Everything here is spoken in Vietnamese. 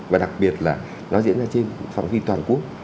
và đặc biệt là nó diễn ra trên phạm vi toàn quốc